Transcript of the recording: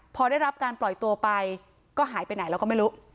พอได้รับการปล่อยตัวไปก็หายไปไหนเราก็ไม่รู้